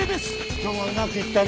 今日はうまくいったな。